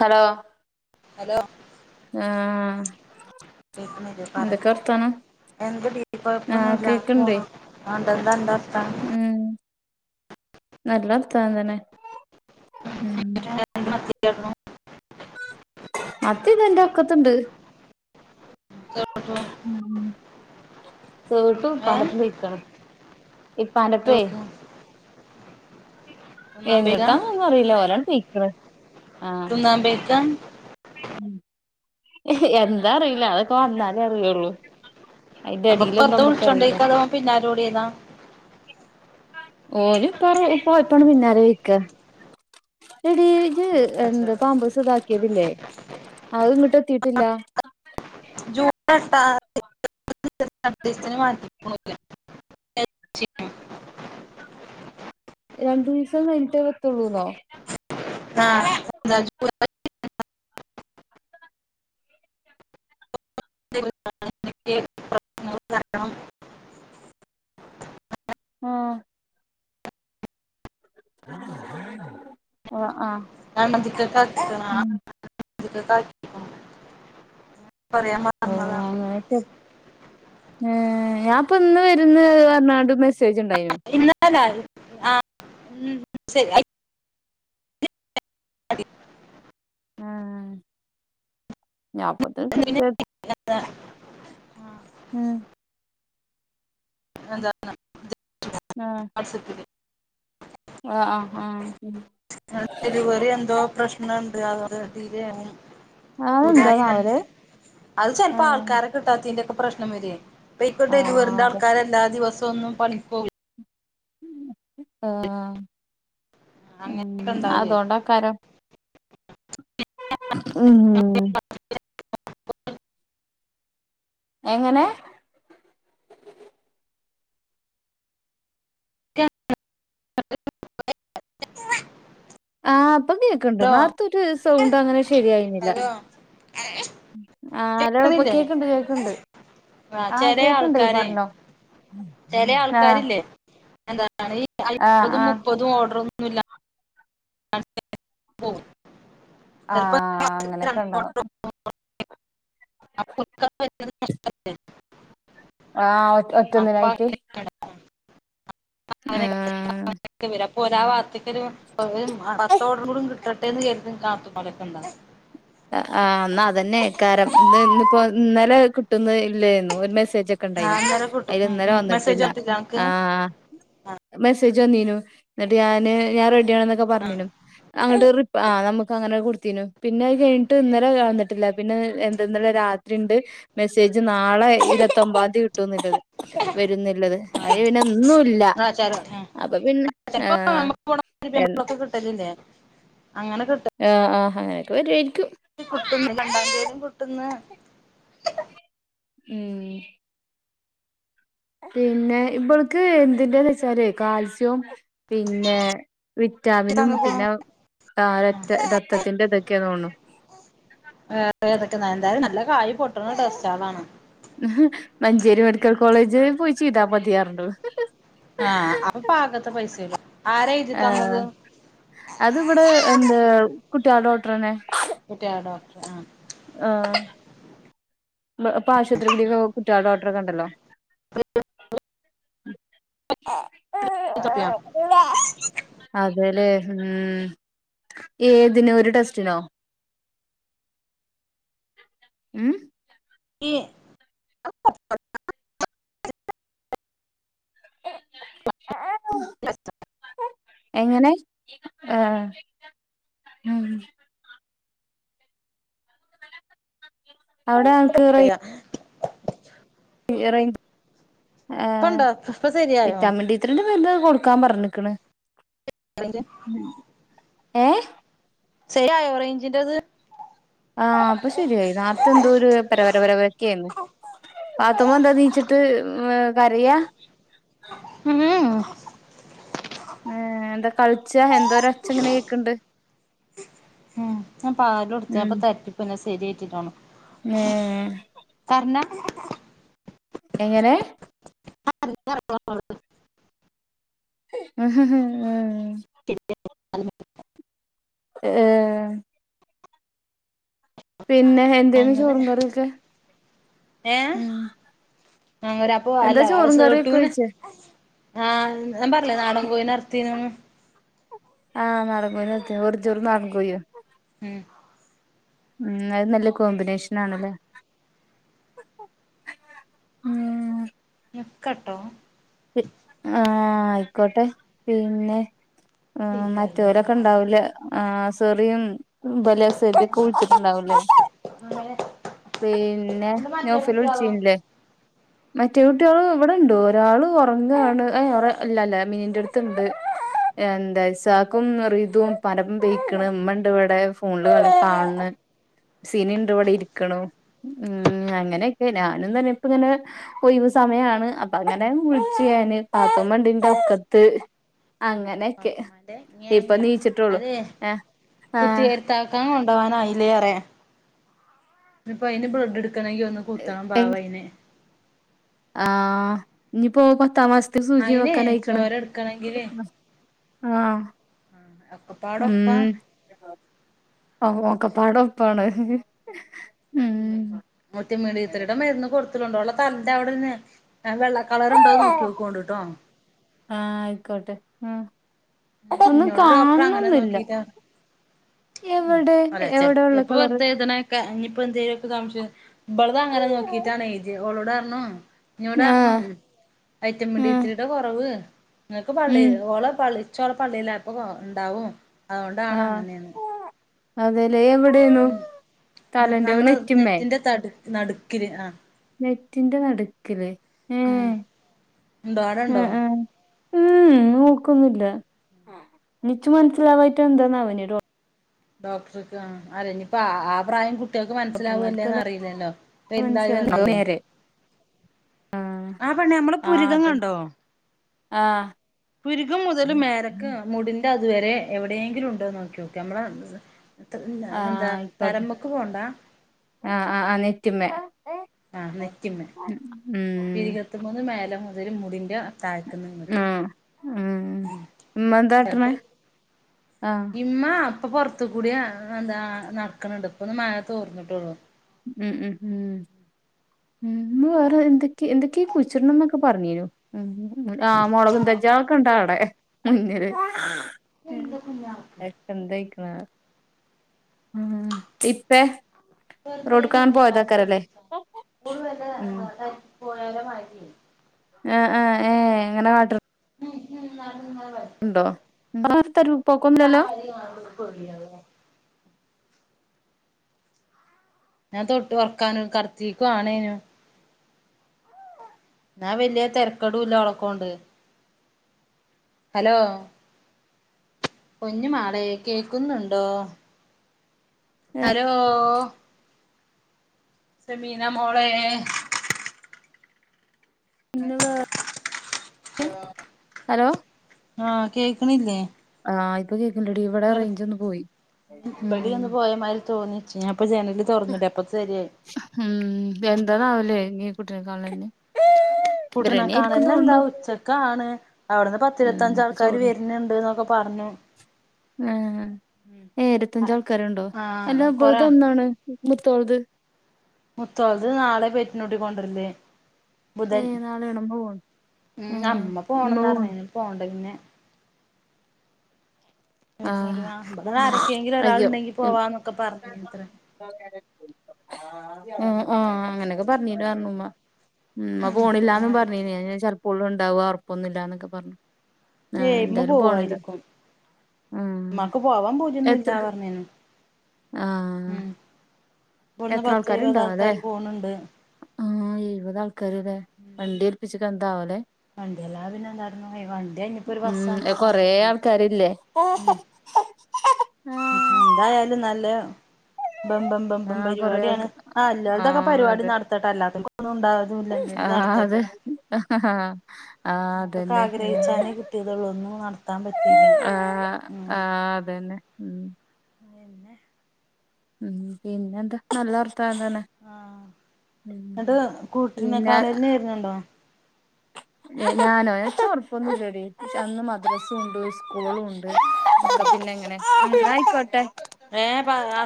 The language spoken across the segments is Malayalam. ഹലോ ഹലോ അആ.... കേൾകുന്നില്ല പറയ്. എന്ത് ഡീ ആഹ് കൊഴപ്പൊന്നും ഇല്ലാ കേക്ക്ണ്ടേ ഇങ്ങനെപോണ് ന്താ ൻ്റർത്താനം നല്ലവർത്താനം തന്നെ, ഉം അതെ മറ്റെ ഇതാ എന്റെ ഒക്കത്ത്ണ്ട് കോട്ടോ [inaudible] സേട്ടു ഇപ്പാൻ്റെപ്പം വെയ്കാണ് ഇപ്പാൻ്റപ്പേ.. പോയിക്കാ എങ്ങെട്ടാന്നെന്നും അറിയില്ല ഓരാണ്ട് പെയ്ക്ണ് തിന്നാം പോയ്‌കാ.. ഹ്.. ഹ് എന്താ അറിയില്ല. അതൊക്കെ, വന്നാ അറിയെള്ളൂ. അപ്പൊ അയിൻ്റെടീലെന്നും വെറുതെ മ്മക്കറീല വിളിച്ചോണ്ടേക്കാ അതോ ഓൻ പിന്നാലെ ഓടിയതാ ഓല് ഇപ്പർ ഇപ്പേയപ്പാണ്ട് പിന്നാലെ പേയ്ക്ക എടീ ജ് എന്ത് പാമ്പസ് ഇതാക്കിയതില്ലേ അഹ് ഇങ്ങട്ട് കിട്ടില്ലാ... ദേശത്തിന് മാറ്റ [unintelligible] രണ്ടു ഈസം കഴിഞിട്ടേ പറ്റെള്ളൂന്നോ ആഹജ [unintelligible] അതെ ആഹ ഓ ആഹ പറയാൻ ആ മറന്നതാണ് അങ്ങക്കെ ഏ.... ഞാപ്പ ഇന്ന് വരുന്ന് പർഞാണ്ട് മെസ്സേജ് ഉണ്ടായിന്നു ല്ല ആ ശരി [inaudible] അതെ ഉം ഞപ്പെതന്നെ പിന്നെ കിട്ടൂ? ഉം എസ ആഹ ആ ആം ഡെലിവെറി എന്തോ പ്രശ്നണ്ട് ആഹ് അതെന്താന്നാവല് അത് ചെലപ്പോ ആഹ് ആൾക്കാരെ കിട്ടാത്തൈന്റെയൊക്കെ പ്രശ്നം വരുയ് പോയ്‌ക്കോട്ടെ ആഹ് വെറുന്തെ അതെ എല്ലാ ദിവസം ഒന്നും പണിക്കേകൂല ഉം ആഹ.. ഉം അങ്ങനെയൊക്കെ ഉണ്ടാവേ അതോണ്ടാക്കാരം ഉം... എങ്ങനെ? [unintelligible] ആ പ്പൊ കേക്ക്ണ്ട്, ഹലോ നോർത്തൊരു, സൗണ്ട്, അങ്ങനെ ശരിയായിന്നില്ല. Hello hello. ഇപ്പൊ കേക്കണില്ലേ കേക്ക്ണ്ട്, കേക്ക്ണ്ട്, ആ ആഹ് ചെലെ കേക്ക്ണ്ടേ ആൾക്കാരെ, പറഞ്ഞോ ചേലെ ആഹ് ആൾക്കാരില്ലേ എന്ത് പറഞ്ഞാലേ ഈ ആഹ് അയ്മ്പതും ആഹ് മുപ്പതും ഓർഡറൊന്നൂല്ല [unintelligible] പ്പോ ആഹ. അങ്ങനെക്കെണ്ടാവും. [unintelligible] ആഹ് ഒറ്റ് ഒറ്റെന്നിനായിട്ട് [unintelligible] പോലാ വാർത്തക്കൊരു അത് പത്തോടറു കൂടി കിട്ടെട്ടേന്ന് കെരുതി കാത്തുമ്പോലൊക്കെ ഉണ്ടാവും അ ആ ന്ന അതെന്നെയ്ക്കാരം ത് ഇന്നിപ്പോ ഇന്നലെ കിട്ടുന്ന് ഇല്ലെയ്ന്നു ഒരു മെസ് ആ ണ്ടേച്ചൊക്കെണ്ടായിനു അന്നേരം കിട്ടും അയില് ഉം ഇന്നലെ ഉം മെസ്സേജ് വന്നിട്ടില്ല അനക്ക് ആ. ആ ബെസ് ത്ജ്ജ് വന്നീനു ന്നി്ട്ട് ഞാന് ഞാൻറെഡിയാണൊക്കെ ആ പറഞ്ഞീനു. അങ്ങ്ട്ട് റി ആ നമുക്കങ്ങനെ കൊടുത്തീനു പിന്നെ. യ് ഇത് കഴിഞ്ഞിട്ട് ഇന്നലെ വരെ വന്നിട്ടില്ല പിന്നെ എന്ത ഇന്നലെ രാത്രി ണ്ട് മെസ്സേജ് നാളെ ഇന്നത്തൊപ്പം പതി കിട്ടൊന്നുല്ലല്ലോ വരുന്നില്ലത് ആ അല്ലെയ് പിന്നെ ഇന്നൂല്ല ആ ചെല ഉം അപ്പൊ പിന്നെ ആ ചെലപ്പോ നമുക്ക് എന്ത്. ഗുണൊക്കെ കിട്ടലില്ലേ അങ്ങനെ കിട്ടും ആആ ഹാ ഒരു മിനിറ്റ് കിട്ടുന്നു രണ്ടാം പേരീം കി ട്ടുന്നു. ഉം പിന്നെ ഇപൾക്ക് എന്തിന്റെന്ന് വച്ചാല് കാൽസ്യോം പിന്നെ വിറ്റാമിനും തന്ന്ക്കുണു പിന്നെ.. ആ രക്ത രക്ത്തത്തിന്റെ ഇതൊക്കെ തോണുന്നു. വേറെന്തേ ഏതൊക്കെ എന്തായാലും നല്ല കായി പൊട്ടണ ട്ടസ്റ്റാളാണ്. ഉം മഞ്ചേരി മെഡിക്കൽ കോളേജിൽ പോയി ചീതാ മതിയാർന്നു. ആഹ അപ്പാത്തെ പൈസളു. ആ അത് വെടെ എന്താകുട്ട്യാളെ ഡോക്ടറെന്നെ. കുട്ട്യാളെഡോക്ടർ ആ. ആ പൊ ഇപ്പൊ ആശുപത്രിക്കുടെക്കൊ കുട്ട്യോളെ ഡോക്ടറൊക്കെണ്ടല്ലോ. അതെലേ ഉം ഏതിനൊരു ടെസ്റ്റിനോ. ഉം [unintelligible] എങ്ങനെ ഏ ഉം അവിടെ നങ്‌കീറെയ് ഇറയ് ഹ് ഇപ്പൊ ഉണ്ടോ ഇപ്പൊ ശരിയായോ ഇറ്റാമണ്ടിത്രണ്ട് നിങ്ങളെന്തേത് കൊടുക്കാൻ പറഞ്ഞ്ക്ണ് റേഞ്ച് ഏ. ശരിയായോ റേഞ്ച്ണ്ടത് ആ പ്പൊ ശരിയായി നേർത്തെന്തോരു പരവര പരവരേരുന്നു. പാത്തുമ്മന്താ നീച്ചിട്ട് കരയാ. മ്മ് ഉം ഏ എന്താ കൾച്ചാ എന്താ ഒരൊച്ചങ്ങനെ കേക്ക്ണ്ട്. ഉം ഞാപാല് ഉം കൊടുത്തേപ്പൊ തരിപ്പ്പ്പോന്നെ ശരിയട്ടിലാന്ന് ഏ എങ്ങനെ ആ [inaudible] ഉ ഉ [unintelligible] [inaudible] ഏ പിന്നെ എന്തേന്ന് അങ്ങനെ ചോറും കറിയൊക്കെ. ഏ ഉം അ ഒര അപ്പൊ എന്താ അല്ല ചോറും സേട്ടൂ കറിയൊക്കെ ന്. വെച്ചേ ആഹ് ഞാൻ പറഞ്ഞിലേ നാടൻ കോയി നെ അറുത്തി ന്നു. ആഹ് നാടൻ കോഴി നെ അറുതിന്നു വെറും ചോറും നാടൻ കോഴിയും. ഉം ഉം അത് നല്ല കോമ്പിനേഷൻ ആണല്ലേ. ഉം ഞക്കട്ടോ ആഹ ആയിക്കോട്ടെ പിന്നെ ആ മറ്റവരൊക്കെ ഉണ്ടാവില്ല ആ സെറിയും ബലസജിക് വിളിച്ചിട്ടുണ്ടാവും ല്ലേ. അങ്ങനെ പിന്നെ ഇത് മറ്റേ നൗഫല് കുട്ടിയാളോ വിളിച്ചിരുന്നില്ലേ? മറ്റേ കുട്ടികളും ഇവിടെണ്ട് ഒരാള് ഉറങ്ങാണ് ഇല്ലല്ല മീനിന്റെ അടുത്ത്ണ്ട്. എന്താ ഇസാക്കും റിതും ഇപ്പാന്റെ പ്പം പെയക്കണ് ഇമ്മണ്ട് ഇവിടെ ഫോണില് കാണണ്. സിനിണ്ടവിടെ ഇരിക്കണു ഉ അങ്ങനെയൊക്കെ ഞാനും തന്നെ ഇപ്പ ഇങ്ങനെ ഒഴിവ് സമയാണ് അപ്പൊ അങ്ങനെ വിളിച്ന് പാത്തുമ്മണ്ട്ന്റെ ഒക്കത്ത് അങ്ങനെയൊക്കെ പാത്തുമ്മാന്റെ ങ ഇപ്പൊ ങ നീച്ചിട്ടുള്ളു അത് ആഹ് കുത്തി ആഹ് വരുത്താക്കാന ക്കാനായി ലേ അറിയാ കക്കണെങ്കി ഒന്ന് കുത്തണം പാവയിന് ആഹ ഇനിപ്പോപ്പത്തമാസ ഒത്തിരി സൂചി അയിനെ വെക്കാനായിക്കണ് ചോര എടുക്കണെങ്കില് ആഹ ആ ഒക്കെപ്പാടൊപ്പാ. ആ ഒക്കെപാടെ ഒപ്പാണ് ഉം മുറ്റയമീടി ഇത്രടെ മരുന്ന് കൊടുത്തലുണ്ടോ ഉള്ള തലന്റെ അവിടെന്ന് ന്നാ വെള്ള കളർണ്ടോന്ന് നോക്കിക്കോണ്ടട്ടോ. ആഹ് ആയിക്കോട്ടെ ഉം ഒന്നും കാണണ് ഒന്നുല്ല. ഉംഅല്ല ചെപ്പൊ വെറുതെ ഇതിനൊക്കെ ഇയിപ്പോ എന്തെങ്കലുമൊക്കെ സംശയ മ്പളതങ്ങനെ ആഹ് നോക്കിയിട്ടാണ് എഴുതി ഓളോടണ്റഞ്ഞു ഇന്നോടരഞ്ഞു ആഹ് വൈറ്റമിൻഡിത്രിടെ കുറവ് നിങ്ങൾക്ക് പള്ളി ഉം ഓള പള്ളിച്ചോള പള്ളിയിലായപ്പ ഉണ്ടാവും അതുകൊണ്ടാണ് അങ്ങനെയന്ന് അതേല്ലേ എവിടെന്നു തലന്റെ നമ്മള് നെറ്റമ്മേ നെറ്റിന്റെ തടു നടുക്കില് ആ നെറ്റിന്റെ നടുക്കല് ഉം എന്താടൊണ്ടോ? ആഹ് ആഹ് ഉം നോക്കുന്നില്ല എനിച്ചു മനസ്സിലാവായിട്ട് എന്താന്നാവിനി ഡോക്ടർക്ക് ആ അല്ലനിപ്പ ആ പ്രായം കുട്ട കുട്ടികൾക്ക് മനസ്സിലാവൂല്ലേന്ന് ഓട്ടുന്നോർക്കെല്ലാം അറിയില്ലല്ലോ പ്പൊ എന്തായി മനസ്സിലായി നല്ല വന്നില്ലേ നേരെ ആഹ് ആ പെണ്ണെ നമ്മള ആഹ് പുരികം അതന്നെ കണ്ടോ? ആഹ് പുരുകം മുതല് മേലക് മുടി ന്റെ അതുവരെ എവിടെയെങ്കിലും ഉണ്ടോന്ന് നോക്കി ഓക്ക് നമ്മള ല്ല ആഹ് എന്താ ആയിക്കോട്ടെ തലമക്ക് പോണ്ട. ആഹ് ആഹ് ആഹ് നെറ്റ്മ്മേ ആഹ് നെറ്റിമേ ഉം പിരികത്ത മന്ന് മേലെ മുതൽ മുടിന്റെ താഴേക്ക്ന്ന് ആ ഇങ്ങട്ട് ഉ ഉമ്മ എന്താട്ടണ്? ചിലപ്പോ ഇമ്മ ഇപ്പൊ പുറത്ത് കൂടേ എന്താ നടക്കണ് ണ്ട് ഇപ്പന്ന് മഴ തോർന്നിട്ടുള്ളു. ഉം ഉം ഉം ഉം വേറെ എന്തൊക്ക എന്തൊക്കെയ കുയിച്ചിടണംന്നൊക്കെ പറഞ്ഞീനു ഉം ആഹ് മുളകും തെജ്ജൊ അ ഒക്കെ ഇണ്ടാ അവിടെ മുന്നില് എന്താ കുഞ്ഞാവക്ക് ഉ എന്തായിരിക്കണ എ ഇപ്പേ വെറുതെ റോഡ്ക്കങ്ങാണ്ട് മന്യേകാലം പോയതാക്കാരല്ലേ പേടിപ്പിച്ചിച്ചാൻ കൂടു വല്ല ഉം പോയാല മാറ്റി. ആ ആ ഏ എങ്ങനെ കാട്ട ഉം ഉം ഉണ്ടോ ഫ്തരുഉപ്പോക്കന്നോല്ലല്ലോ. കൊയിയാ ഞാൻ തൊട്ട് ഉറക്കൻ കറത്തിക്കവാണേനും ന്നാ വല്യതെരക്കടല്ല ഓളക്കോണ്ട്. ഹലോ, കുഞ്ഞുമാടെ കേക്കുന്നുണ്ടോ? ആരോ സമീനമോളെ അലോ ആ കേക്കണീല്ലേ? ആ ഇപ്പൊ കേക്കണ്ടടി ഇവിടെ റേഞ്ച് ഒന്ന് പോയി ഇബടി ഒന്ന് ഉ പോയമാതിരി തോന്നിച്ച് ഞാൻ ഇപ്പ ജനല് തുറന്നിടെ അപ്പ ശരിയായി ഉം എന്താതാ ആവല്ലേ കുട്ടിനെ കാണല് കൂട്ടനൊക്കണല്ല എന്താ ഉച്ചക്കാണ്. അവിടുന്ന് ആഹ് പത്തിരുപത്തഞ്ച എന്നിട്ട് ആൾക്കാര് വരുന്നുണ്ട് എന്നൊക്കെ പറഞ്ഞു. ഉം ആ ഇരത്തഞ്ച് ആൾക്കാരുണ്ടോ ആഹ് അല്ലാം കൊറ ഇപ്പോഴത ഒന്നാണ് മുത്തോള്ളത് മുത്തോളത് നാളെ പെറ്റിനോട്ടിക്ക കൊണ്ടല് ബുധൻ ഏഹ് നാളെയാണോ ഉമ്മ പോണ് ഉ ഏഹ് അമ്മ ഉമ്മ പോണന്ന് പോണ് പറഞ്ഞ പോണ്ട പിന്നെ വ ആഹ് അ ആരക്കെങ്കില ഒരാൾ അയ്യോ ഉണ്ടെങ്കി പോവാന്നൊക്കെ പറഞ്ഞ അത്ര [unintelligible] ഉം ആ അങ്ങനെയൊക്കെ പറഞ്ഞിട്ട് പറഞ്ഞമ്മ ഉ അങ്ങനെ പോണില്ലന്ന് ആരും പറഞ്ഞ ഞ എപ്പോഴും ഉണ്ടാവുക ഉറപ്പൊന്നുമില്ലന്നൊക്കെ പറഞ്ഞു. ആ ഏയ് ഇമ്മ എന്തായാലും പോണല്ലോ? പോവായിരിക്കും ഉ ഉമ്മാക്ക് പോവാൻ എത്ര പൂതിയൊന്നുല്ല പറഞ്ഞേനു ആ ഉം ഇവിടുന്ന് പത്ത് ഇരുപത് ആൾക്കാര് പോണണ്ട്. ആ ഇരുപത് ആൾക്കാരില്ലേ വണ്ടി ഏൽപ്പിച്ചിക്ക എന്താവല്ലേ? വണ്ടില്ലാ പിന്നെ എന്തരുന്നു വണ്ടി അഞ്ഞപ്പോ ഒരു ബസ്സ ഉം എന്താ കൊറേ സംഭവ ആൾക്കാരില്ലേ ഉ എന്തായാലും നല്ല ബെ ബം ബെമ്പം ആഹ് കൊറേ ആൾക്ക പരിപാടിയാണ് ആ അല്ലാടത്തൊക്കെ ആഹ് പരിപാടി അതെ നടത്തട്ടെ അല്ലാത്തനുംന്നും ഉണ്ടാത ആ അതെ ആ നമുക്കൊക്കെ അതന്നെ ആഗ്രഹിച്ചാനേ കിട്ടിയതുള്ളൂ ഒന്നും നടത്താൻ പറ്റിയില്ല ആ ഉം ആ അതന്നെ ഉ പിന്നെ ഉം പിന്നെ എന്താ നല്ല വർ ത്തങ്ങനെ ആഹ് എന്നിട്ട് കൂട്ടിനെ പിന്നെ കാണലിന് വരുന്നുണ്ടോ? ഞാനോ ഉറപ്പൊന്നുല്ലടി ചന്ന് മദ്രസും ഉണ്ട് സ്കൂളും ഉണ്ട്. പ്പ പിന്നെ എങ്ങനെ എ ആയിക്കോട്ടെ. ഏ പ ആ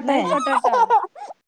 എന്നാ ആയിക്കോട്ടെട്ടോ